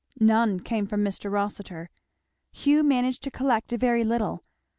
None came from Mr. Rossitur. Hugh managed to collect a very little.